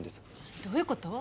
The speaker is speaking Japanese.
どういうこと？